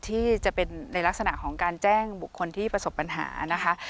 ที่จะเป็นในลักษณะของการแจ้งบุคคลที่ประสบปัญหานะคะ